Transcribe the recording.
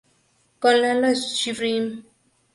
Con Lalo Schifrin